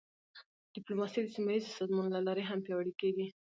ډیپلوماسي د سیمهییزو سازمانونو له لارې هم پیاوړې کېږي.